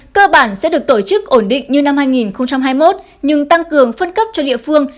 cơ bản sẽ được tổ chức ổn định như năm hai nghìn hai mươi một nhưng tăng cường phân cấp cho địa phương